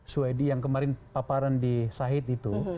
suwaidi yang kemarin paparan di sahit itu